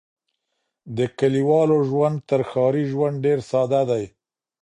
د کليوالو ژوند تر ښاري ژوند ډېر ساده دی.